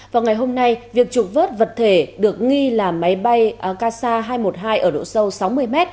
vào ngày hôm nay việc trục vớt vật thể được nghi là máy bay kasa hai trăm một mươi hai ở độ sâu sáu mươi m